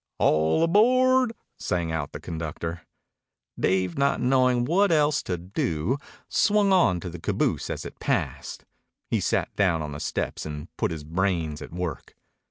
"All aboard," sang out the conductor. Dave, not knowing what else to do, swung on to the caboose as it passed. He sat down on the steps and put his brains at work.